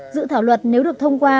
dự thảo luật nếu được thông qua